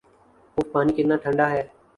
if پانی کتنا ٹھنڈا ہے